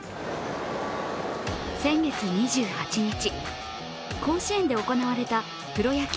先月２８日甲子園で行われたプロ野球